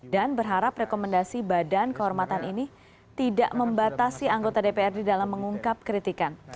dan berharap rekomendasi badan kehormatan ini tidak membatasi anggota dpr di dalam mengungkap kritikan